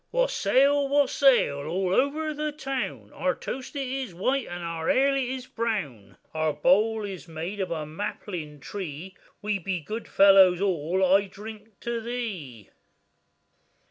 ] WASSAIL! wassail! all over the town, Our toast it is white, and our ale it is brown; Our bowl is made of a maplin tree; We be good fellows all;—I drink to thee.